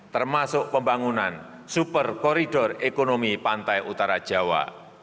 termasuk pembangunan super koridor ekonomi pantai utara jawa